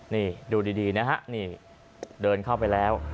นี่ดูดีนะฮะนี่เดินเข้าไปแล้ว